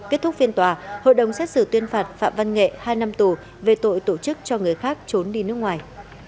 kết thúc phiên tòa hội đồng xét xử tuyên phạt phạm văn nghệ hai năm tù về tội tổ chức cho người khác trốn đi nước ngoài